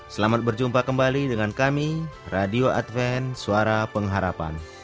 selamat berjumpa kembali dengan kami radio adven suara pengharapan